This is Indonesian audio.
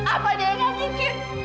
apa dia yang nggak bikin